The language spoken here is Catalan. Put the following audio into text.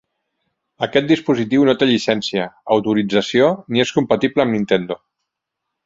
Aquest dispositiu no té llicència, autorització ni és compatible amb Nintendo.